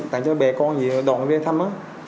tặng cho bè con gì đòi về thăm